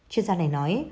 chuyên gia này nói